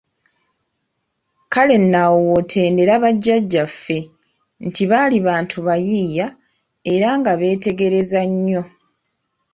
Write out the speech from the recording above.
Kale nno awo w'otendera Bajjaajjaafe nti baali bantu bayiiya era nga beetegereza nnyo.